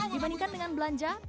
dibandingkan dengan belanja